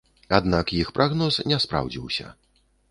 Аднак іх прагноз не спраўдзіўся.